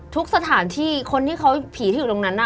ทุกสถานที่คนที่เขาผีถือตรงนั้น